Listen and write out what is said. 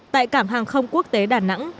tại cảm hàng không quốc tế đà nẵng